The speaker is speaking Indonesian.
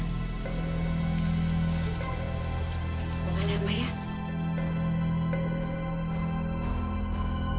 gak ada apa ya